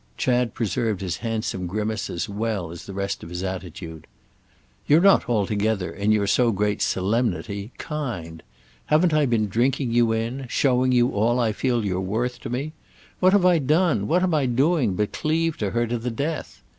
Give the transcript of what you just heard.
Chad preserved his handsome grimace as well as the rest of his attitude. "You're not altogether—in your so great 'solemnity'—kind. Haven't I been drinking you in—showing you all I feel you're worth to me? What have I done, what am I doing, but cleave to her to the death?